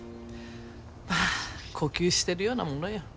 まあ呼吸してるようなものよ。